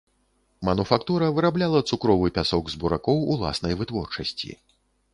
Мануфактура вырабляла цукровы пясок з буракоў уласнай вытворчасці.